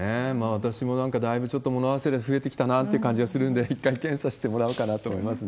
私もなんかだいぶちょっと物忘れ増えてきたなって感じするんで、一回検査してもらおうかなと思いますね。